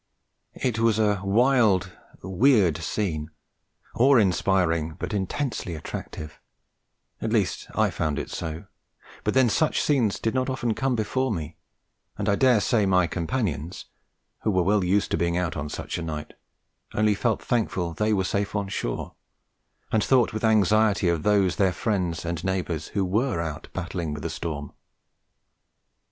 It was a wild weird scene, awe inspiring, but intensely attractive at least I found it so; but then such scenes did not often come before me, and I daresay my companions, who were well used to being out on such a night, only felt thankful they were safe on shore, and thought with anxiety of those of their friends and neighbours who were out battling with the storm.